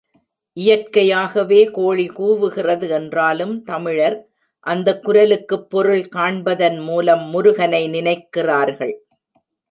இயற்கையாகவே கோழி கூவுகிறது என்றாலும், தமிழர் அந்தக் குரலுக்குப் பொருள் காண்பதன் மூலம் முருகனை நினைக்கிறார்கள்.